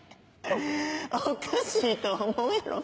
おかしいと思うやろ？